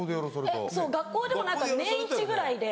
そう学校でも何か年１ぐらいで。